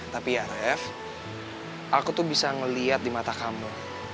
tapi ya ref aku tuh bisa melihat di mata kamu